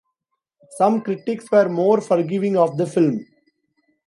Some critics were more forgiving of the film.